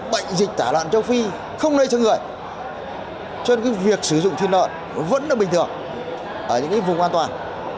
bệnh dịch tả loạn châu phi không nơi cho người cho nên việc sử dụng thiên loạn vẫn là bình thường ở những vùng an toàn